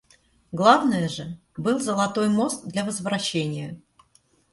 Главное же — был золотой мост для возвращения.